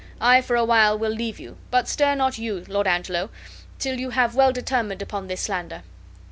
I for a while will leave you, but stir not you, Lord Angelo, till you have well determined upon this slander."